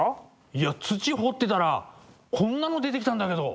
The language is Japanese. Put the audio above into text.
いや土掘ってたらこんなの出てきたんだけど。